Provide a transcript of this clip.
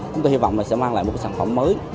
chúng tôi hy vọng là sẽ mang lại một sản phẩm mới